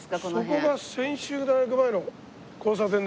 そこが専修大学前の交差点ですね。